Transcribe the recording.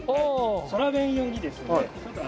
空弁用にですね